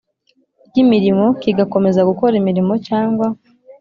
ry imirimo kigakomeza gukora imirimo cyangwa